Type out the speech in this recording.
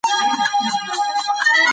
هره ورځ پنځه تر شپږ زره کسانو واکسین کېږي.